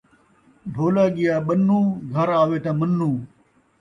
ڈھولا ڳیا ٻنوں ، گھر آوے تاں منّوں